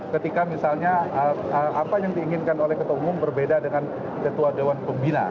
ketika misalnya apa yang diinginkan oleh ketua umum berbeda dengan ketua dewan pembina